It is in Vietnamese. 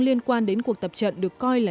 liên quan đến cuộc tập trận được coi là